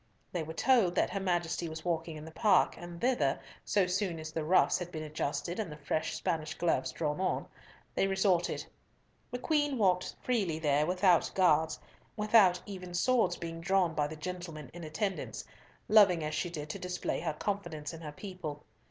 They were told that her Majesty was walking in the Park, and thither, so soon as the ruffs had been adjusted and the fresh Spanish gloves drawn on, they resorted. The Queen walked freely there without guards—without even swords being worn by the gentlemen in attendance—loving as she did to display her confidence in her people.